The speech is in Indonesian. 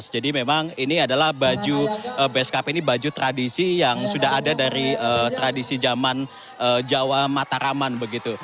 jadi memang ini adalah baju beskap ini baju tradisi yang sudah ada dari tradisi zaman jawa mataraman begitu